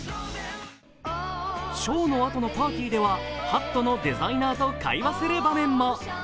ショーのあとのパーティーではハットのデザイナーと会話をする場面も。